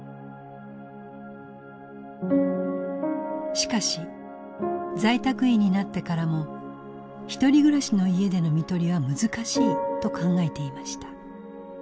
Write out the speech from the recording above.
しかし在宅医になってからもひとり暮らしの家での看取りは難しいと考えていました。